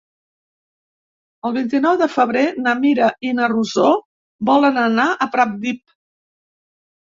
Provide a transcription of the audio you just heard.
El vint-i-nou de febrer na Mira i na Rosó volen anar a Pratdip.